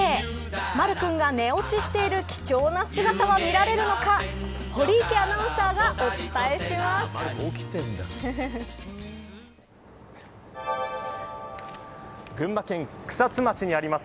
まる君が寝落ちしている貴重な姿は見られるのか堀池アナウンサーがお伝えします。